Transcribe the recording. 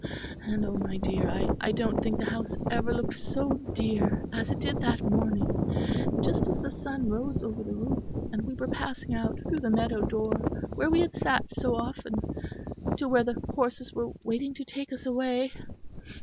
And oh, my dear, I don't think the house ever looked so dear as it did that morning, just as the sun rose over the roofs, and we were passing out through the meadow door where we had sat so often, to where the horses were waiting to take us away."